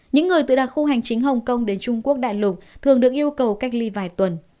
những người từ đặc khu hành chính hồng kông đến trung quốc đại lục thường được yêu cầu cách ly vài tuần